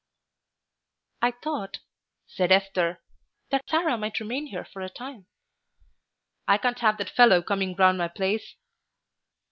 "I thought," said Esther, "that Sarah might remain here for a time." "I can't have that fellow coming round my place."